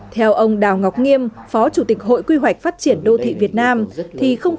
theo ông đào ngọc nghiêm phó chủ tịch hội quy hoạch phát triển đô thị việt nam thì không